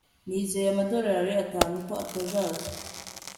Nizeye amadorari atanu ko atazaza